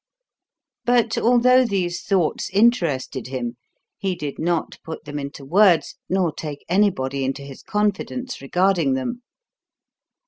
But although these thoughts interested him, he did not put them into words nor take anybody into his confidence regarding them.